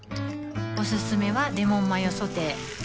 おすすめはレモンマヨソテー